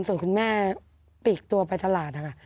ส่วนคุณแม่ปีกตัวไปตลาดนะคะ